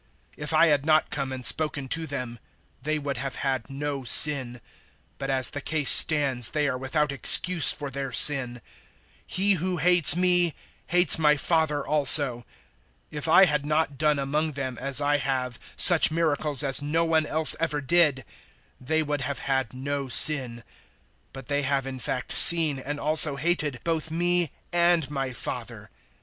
015:022 "If I had not come and spoken to them, they would have had no sin; but as the case stands they are without excuse for their sin. 015:023 He who hates me hates my Father also. 015:024 If I had not done among them, as I have, such miracles as no one else ever did, they would have had no sin; but they have in fact seen and also hated both me and my Father.